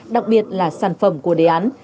đặc biệt là sản phẩm của đề án